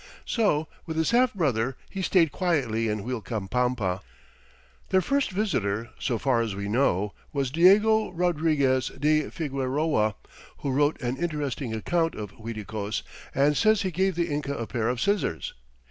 So with his half brother he stayed quietly in Uilcapampa. Their first visitor, so far as we know, was Diego Rodriguez de Figueroa, who wrote an interesting account of Uiticos and says he gave the Inca a pair of scissors.